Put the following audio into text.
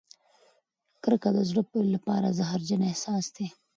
کرکه د زړه لپاره زهرجن احساس دی.